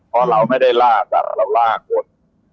เพราะเราไม่ได้ลากเราลากหมด